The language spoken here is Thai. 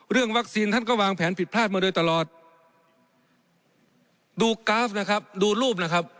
เรื่องวัคซีนท่านก็วางแผนผิดพลาดมาโดยตลอดดูกราฟนะครับดูรูปนะครับ